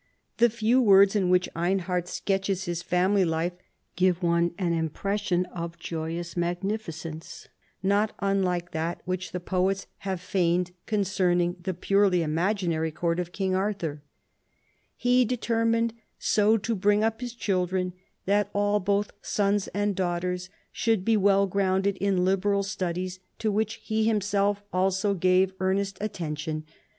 The few words in which Einhard sketches his family life give one an impression of joyous magnificence not unlike that which the poets have feigned concerning the purely imaginar}'" court of King Arthur :—" He determined so to bring up his children that all, both sons and daughters, should be well grounded in liberal studies, to which he himself also gave earnest attention.